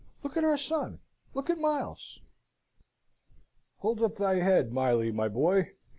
Look at our son, look at Miles!" "Hold up thy head, Miley, my boy!"